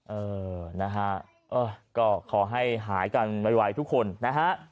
เออนะฮะก็ขอให้หายกันไวทุกคนนะฮะ